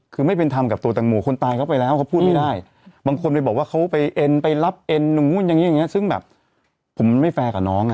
คือไม่เป็นทำกับตัวตังหมู่คนตายเขาไปแล้วเขาพูดไม่ได้บางคนไปบอกว่าเขาไปเอ็นไปรับเอ็นอย่างนี้ซึ่งแบบผมไม่แฟร์กับน้อง